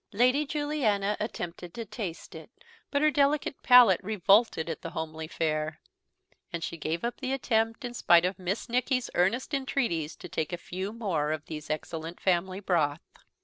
Lady Juliana attempted to taste it; but her delicate palate revolted at the homely fare; and she gave up the attempt, in spite of Miss Nicky's earnest entreaties to take a few more of these excellent family broth.